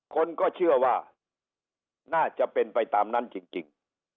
คนก็เชื่อว่าน่าจะเป็นไปตามนั้นจริง